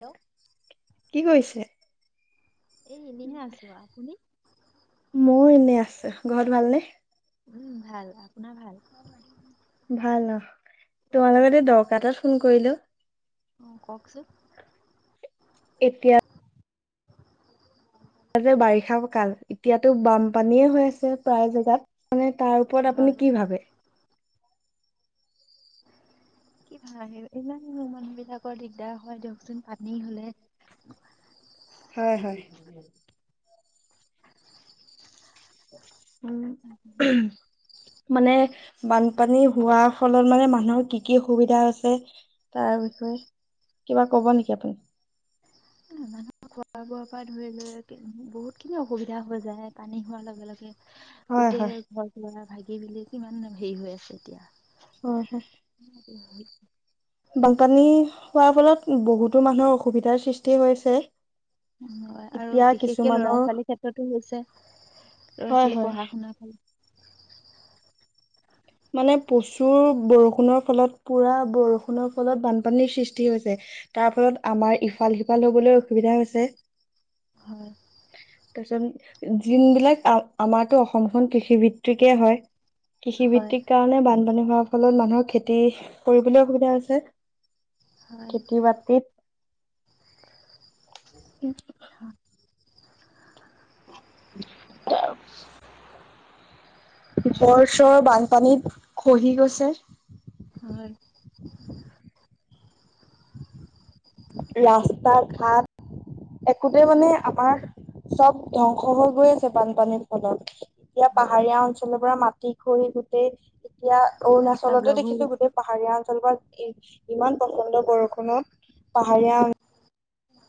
Hello কি কৈছে। এই এনেহে আছো আপুনি? ময়ো এনে আছো ঘৰত ভালনেে? উম, ভাল আপোনাৰ ভাল ভাল ন তোমাৰ লগত এই দৰকাৰ এটাত ফোন কৰিলো। অ কওক ছোন এতিয়া ততে বাৰিষা কাল এতিয়াতো বানপানীয়ে হৈ আছে প্ৰায় জেগাত। মানে তাৰ ওপৰত আপুনি হয় কি ভাবে? [inaudible] কি ভাল ইমান মানুহ বিলাকৰ দিগদাৰ হয় দিয়কচোন পানী হলে। হয় হয়। উম [unintelligible] মানে বানপানী হোৱাৰ ফলত মানে মানুহৰ কি কি অসুবিধা হৈছে? তাৰ বিষয়ে কিবা কব নেকি আপুনি? মানুহৰ খোৱা বোৱাৰ পৰা ধৰি লৈ বহুত খিনি অসুবিধা হৈ যায় পানী হোৱাৰ লগে লগে। হয় গোটেই হয়। ঘ লৰা ভাগি মেলি কিমান হেৰি হৈ আছে এতিয়া। হয় হয়। [inaudible] বানপানী হোৱাৰ ফলত বহুতো মানুহৰ অসুবিধাৰ সৃষ্টি হৈছে। হয় আৰু এতিয়া বিশেষকে লৰা কিছুমানৰ ছোৱালীৰ ক্ষেত্ৰতো হৈছে। ল'ৰা হয় -ছোৱালী হয় পঢ়া শুনাৰ খাল মানে প্ৰচুৰ বৰষুণৰ ফলত পুৰা বৰষুণৰ ফলত বানপানীৰ সৃষ্টি হৈছে। তাৰ ফলত আমাৰ ইফাল সিফাল হবলৈ অসুবিধা হৈছে। হয়। যোন বিলাক আ আমাৰটো অসমখন কৃষি ভিত্তিকে হয় কৃষি ভিত্ত হয় কাৰণে বানপানী হোৱাৰ ফলত মানুহৰ খেতি কৰিবলৈ অসুবিধা হৈছে। হয় খেতি বাতিত। [unintelligible] ঘৰ চৰ বানপানীত খহি গৈছে। আৰু। ৰাস্তা ঘাট। একোতে মানে আমাৰ চব ধ্বংস হৈ গৈ আছে বানপানীৰ ফলত। এতিয়া হয় পাহাৰীয়া অঞ্চলৰ পৰা মাটি খৰি গোটেই এতিয়া ৰাস্তা অৰুণাচলতেো ব্লক হৈ দেখিছো গৈছে গোতেই পাহাৰ। পাহাৰীয়া অঞ্চল ইমান পচন্দ বৰষুনত পাহাৰীয়া অ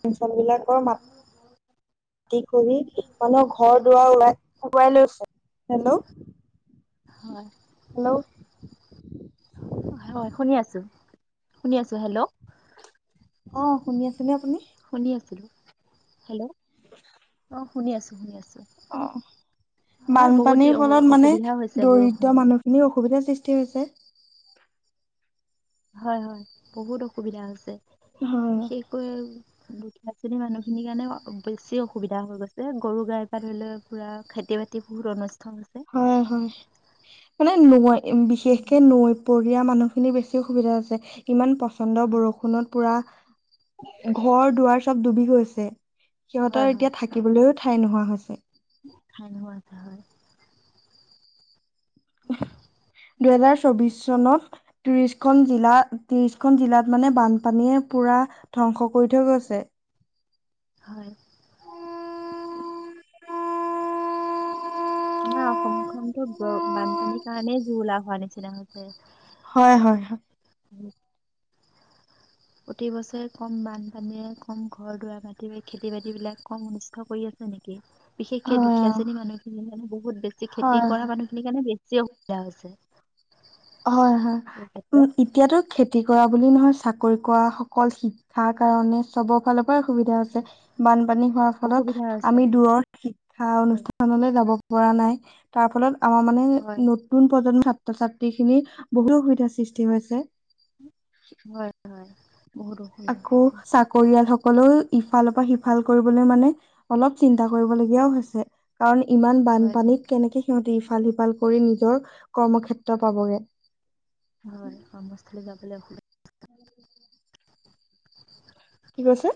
অঞ্চলবিলাকৰ মাত আতি কৰি মানুহক ঘৰ দুৱাৰ ৱ আকুৱাই লৈছে হেল্ল' হয় হেল্ল' হয় শুনি আছো শুনি আছো হেল্ল' অঁ, শুনি আছে নে আপুনি? শুনি আছিলো হেল্ল'। অ [inaudible] শুনি আছো শুনি আছো। অঁ, হয় বহুত দি বানপানীৰ অ ফলত মানে অসুবিধা হৈছে দৰিদ্ৰ বৰষুণৰ মানুহখিনি অস সুবিধাৰ সৃষ্টি হৈছে। হয় হয় বহুত অসুবিধা হৈছে হয় বিশেষকৈ দুখীয়া শ্ৰেণীৰ মানুহ খিনিৰ কাৰণে বেছি অসুবিধা হৈ গৈছে গৰু গাই পা ধৰি ললে পুৰা খাদ্য তি অনু হয় হয় মানে নৈ বিশেষকে নৈ পৰিয়া মানুহখিনি বেছি অসুবিধা আছে ইমান পচন্দ বৰষুণত পুৰা। ঘৰ দুৱাৰ চব ডুবি গৈছে হয় সিহঁতৰ হয় এতিয়া থাকিবলৈও ঠাই নোহোৱা হৈছে। খুৱচা হয়। দুহেজাৰ চৌবিশ চনত। ত্ৰিশখন জিলা, ত্ৰিশখন জিলাত মানে বানপানীয়ে পুৰা ধ্বংস কৰি থৈ গৈছে। হয় [unintelligible] ন অসমখনতো বানপানীৰ কাৰণেই জৰোলা হোৱা নিচিনা হ হৈছে হয় হয় হয় প্ৰতি বছৰে কম বানপানীয়ে কম ঘৰ দুৱাৰ মাটি খেতি বাতি বিলাক কম অনিষ্ট কৰি আছে হয় নেকি বিশেষকে হয় অ দুখীয়া শ্ৰেণী মানুহখিনিৰ কাৰণে বহুত বেছি খেতি হয় কৰা মানুহখিনিৰ কাৰণে বেছি অসুবিধা হৈছে হয় হয় এই উ ক্ষেত্ৰত এতিয়াতো খেতি তি কৰা বুলি নহয় চাকৰি কৰা সকল শিক্ষাৰ কাৰণে চ ফাল সুবিধা আছে বানপানী হোৱাৰ ফলত অসুবিধা হৈছে আমি দূৰৰ শিক্ষা হয় অনুষ্ঠানলৈ যাব পৰা নাই তাৰ ফলত আমাৰ মানে হয় নতুন প্ৰজন্ম ছাত্ৰ ছাত গোটেইখিনি বহু অসুবিধাৰ সৃষ্টি হৈছে হয় হয় বহুত অসুবিধা আকৌ চাকৰিয়াল সকলেও ইফালৰ পৰা সিফাল ভাল কৰিবলৈ মানে অলপ চিন্তা কৰিবলগীয়াও হৈছে কাৰণ ইমান হয় বানপানীত কেনেকে সিহঁতি ভাল সিফাল কৰি নিজৰ কৰ্মক্ষেত্ৰ পাবগৈ হয় কমস্থলী যাবলৈ কি কৈছে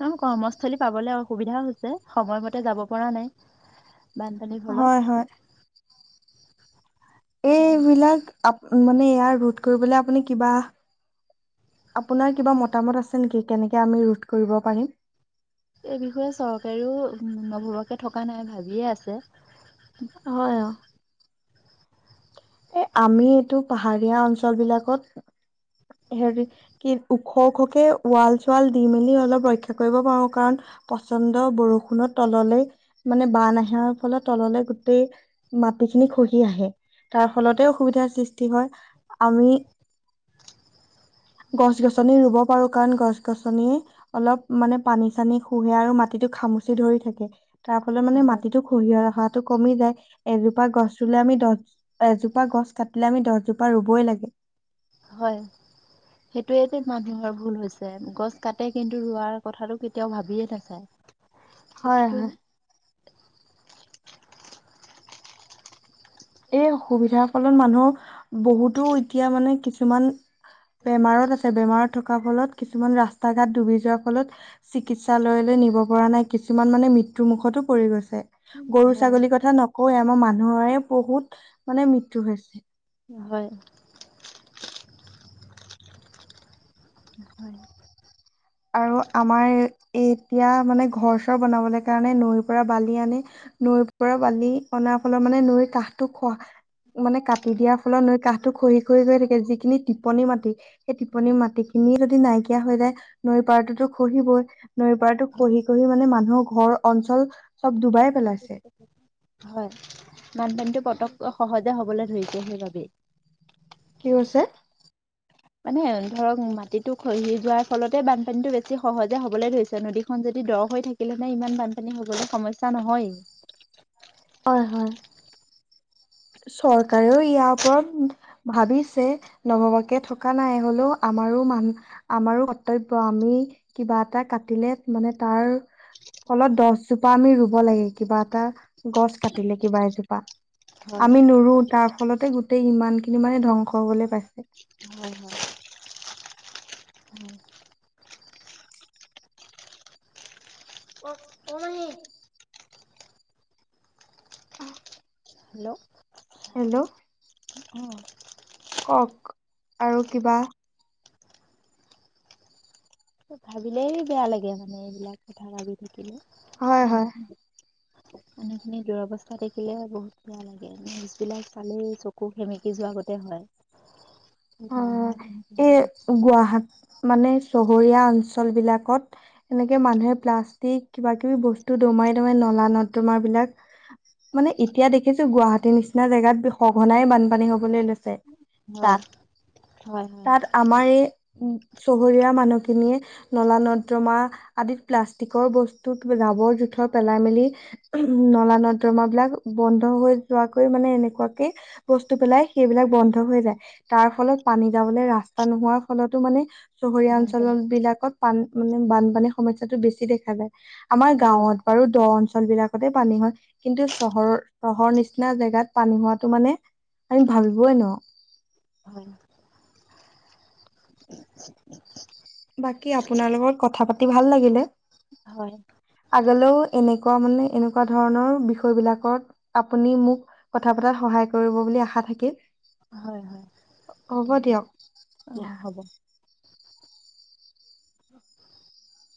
ন কৰ্মস্থলী পাবলে অসুবিধা হৈছে সময়মতে যাব পৰা নাই বানপানীৰ হয় হয় ফলত এইবিলাক আ মানে ইয়াৰ ৰোধ কৰিবলৈ আপুনি কিবা আপোনাৰ কিবা মতামত আছে নেকি কেনেকে আমি ৰোধ কৰিব পাৰিম এই বিষয়ে চৰকাৰীও নভবাকে থকা নাই ভাবিয়ে আছে হয় অ এ আমি এইটো পাহাৰীয়া অঞ্চল বিলাকত হেৰি কি ওখ ওখকে ৱাল চুৱাল দি মেলি অলপ ৰক্ষা কৰিব পাৰো কাৰণ পচন্দ বৰষুণৰ তললৈ মানে বান আহাৰ ফলত তললে গোটেই মাটিখিনি খহি আহে তাৰ ফলতে অসুবিধাৰ সৃষ্টি হয় আমি গছ গছনি ৰুব পাৰো কাৰ কিছুমান গছ গছনিয়ে অলপ মানে পানী চানী শুহে আৰু মাটিটো খামুচি ধৰি থাকে তাৰ ফলে মানে হয় মাটিতটো খৰিহিয়াই ৰখা টো কমি যায় এজোপা গছ ৰুলে আমি দহ এজোপা গছ কাটিলে আমি দহজোপা ৰুবই লাগে হয় সেইটোয়ে টো মানুহৰ ভুল হৈছে গছ কাটে কিন্তু ৰোৱাৰ কথাটো কেতিয়াও ভাবিয়ে নাচায় হয় সেইটোতো হয় এই অসুবিধাৰ ফলত মানুহ বহুতো এতিয়া মানে কিছুমান বেমাৰত আছে বেমাৰত থকাৰ ফলত কিছুমান ৰাস্তা ঘাট ডুবি যোৱাৰ ফলত চিকিৎসালয়লৈ নিব পৰা নাই কিছুমান মানে মৃত্যু মুুখতো পৰি গৈছে গৰু হয় ছাগলীৰ কথা নকওঁয়ে আমাৰ মানুহৰে বহুত মানে মৃত্যু হৈছে হয় হয় আৰু আমাৰ এ এতিয়া মানে ঘৰ চৰ বনাবলৈ কাৰণে নৈৰ পৰা বালি আনি নৈৰ পৰা বালি অনাৰ ফলৰ মানে নৈৰ কাহটো খোৱা মানে কাটি দিয়াৰ ফলত নৈ কাহটো খৰি খৰি গৈ থাকে যিখিনি টিপনি মাটি সেই টিপনি মাটি খিনি [unintelligible] যদি নাইকিয়া হৈ যায় নৈ পাৰটোতো খহিবই নৈ পাৰতো হয় খহি খহি মানে মানুহৰ ঘৰ অঞ্চল চব ডুবাই ফল আছে হয় বানপানি টো পতকে সহজে হবলৈ ধৰিছে সেইবাবেই কি হৈছে? মানে ধৰক মাটিো খহি যোৱাৰ ফলতে বানপানীতটো বেছি সহজে হবলে ধৰিছে নদীখন যবি দৰ হৈ থাকিলে নে ইমান বানপানী হবলৈ সমস্যা নহয়। হয় হয় চৰকাৰেও ইয়াৰ ওপৰত ভাবিছে নববাকে থকা নাই হলেও আমাৰো মান আমাৰ কৰ্তব্য আমি কিবা এটা কাটিলে মানে তাৰ ফলত দহজোপা আমি ৰুব লাগে কিবা এটা। গছ কাটিলে কিবা এজোপা হয় আমি নুৰো তাৰ ফলতে গোটেই ইমানখিনি মানে ধ্বংস হবলে পাইছে। হয় হয় হয় অ আহ। Hello hello. অ কওক আৰু কিবা? ভাবিলেই বেয়া লাগে মানে এইবিলাক কথা ভাবি থাকিলে হয় মানু হয় মানুখিনি দুৰৱস্থা দেখিলে বহুত বেয়া লাগে মছবিলাক চালেই চকু সেমেকি যোৱাগতে হয়। বহুত মানুহৰ তেনেকুৱা অ' এই হয় গুৱাহাট মানে চহৰীয়া অঞ্চল বিলাকত এনেকে মানুহে প্লাষ্টিক কিবা কিবি বস্তু তোমাই তোমে নলা নদ তোমাৰ বিলাক মানে এতিয়া দেখিছো গুৱাহাটীৰ নিচিনা জেগাত সঘনাই বানপানী হবলৈ লৈছে। হয়। তাত হয় হয় তাত আমাৰ এই উ চহৰীয়া মানুহখিনিয়ে নলা নৰ্দ্ৰমা আদিত প্লাষ্টিকৰ বস্তু জাবৰ জোথৰ পেলাই মেলি নলা নদ দ্ৰম বিলাক বন্ধ হৈ যোৱাকৈ মানে এনেকুৱাকে বস্তু পেলাই সেইবিলাক বন্ধ হৈ যায়। তাৰ ফলত পানী যাবলৈ ৰাস্তা নোহোৱাৰ ফলতো মানে চহৰীয়া হয় অঞ্চল বিলাকত পান মানে বানপানীৰ সমস্য়াটো বেছি দেখা যায় আমাৰ গাঁৱত বাৰু দ অঞ্চল ল বিলাকতে পানী হয় কিন্তু চহৰৰ চহৰৰ নিচিনা জেগাত পানী হোৱাতটো মানে আমি ভাবিবই ন। হয়। [inaudible] বাকী আপোনাৰ লগত কথা পাতি ভাল লাগিলে, হয় আগলেও এনে ক মানে এনেকুৱা ধৰণৰ বিষয় বিলাকত আপুনি মোক কথা পতাত সহায় কৰিব বুলি আখা খা থাকিল। হয় হয় হ'ব পাতিম দিয়ক। অ' হ'ব। উম